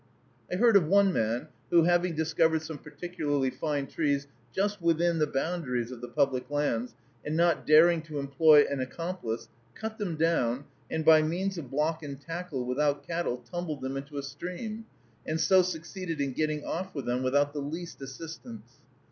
I heard of one man who, having discovered some particularly fine trees just within the boundaries of the public lands, and not daring to employ an accomplice, cut them down, and by means of block and tackle, without cattle, tumbled them into a stream, and so succeeded in getting off with them without the least assistance.